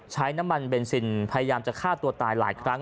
ใช้น้ำมันเบนซินพยายามจะฆ่าตัวตายหลายครั้ง